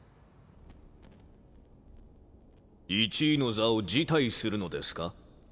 １位の座を辞退するのですか？